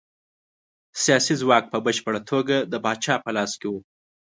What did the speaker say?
سیاسي ځواک په بشپړه توګه د پاچا په لاس کې و.